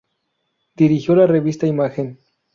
Dirigió la revista Imagen.